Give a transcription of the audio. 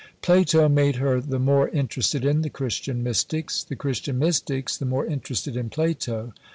Plato made her the more interested in the Christian Mystics; the Christian Mystics, the more interested in Plato.